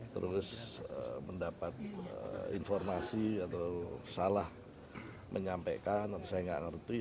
terus mendapat informasi atau salah menyampaikan saya tidak mengerti